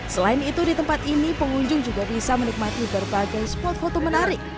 selain itu di tempat ini pengunjung juga bisa menikmati berbagai spot foto menarik